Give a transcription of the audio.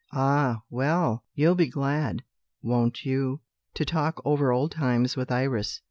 Ah, well! you'll be glad (won't you?) to talk over old times with Iris.